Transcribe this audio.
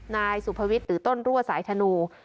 นายสุภวิทย์หรือต้นรั่วสายธนู